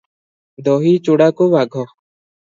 ଦହି ଚୂଡ଼ାକୁ ବାଘ ।।